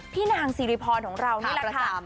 นางสิริพรของเรานี่แหละค่ะ